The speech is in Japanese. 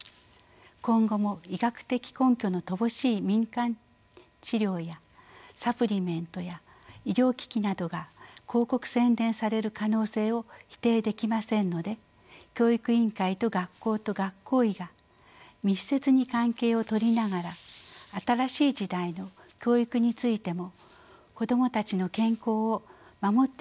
今後も医学的根拠の乏しい民間治療やサプリメントや医療機器などが広告宣伝される可能性を否定できませんので教育委員会と学校と学校医が密接に関係をとりながら新しい時代の教育についても子どもたちの健康を守っていきたいものです。